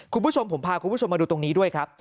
คุณผู้ชมผมพาคุณผู้ชมมาดูตรงนี้ด้วยครับ